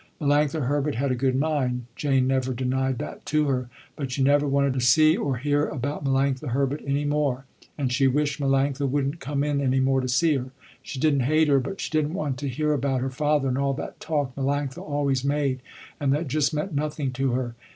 Melanctha Herbert had a good mind, Jane never denied that to her, but she never wanted to see or hear about Melanctha Herbert any more, and she wished Melanctha wouldn't come in any more to see her. She didn't hate her, but she didn't want to hear about her father and all that talk Melanctha always made, and that just meant nothing to her.